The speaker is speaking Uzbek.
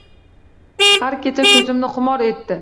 Har kecha ko’zimni xumor etdi